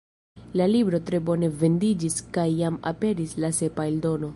La libro tre bone vendiĝis kaj jam aperis la sepa eldono.